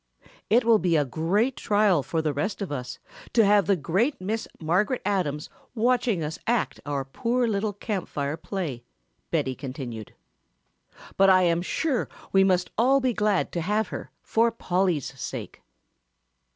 "It will be a great trial for the rest of us to have the great Miss Margaret Adams watching us act our poor little Camp Fire play," Betty continued, "but I am sure we must all be glad to have her for Polly's sake."